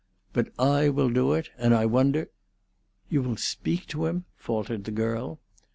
"But I will do it, and I wonder——" "You will speak to him?" faltered the girl.